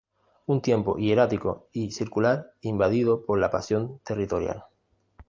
Un tiempo hierático y circular invadido por la pasión territorial.